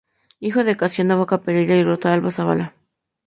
Hijo de Casiano Vaca Pereyra y Rosa Alba Zabala.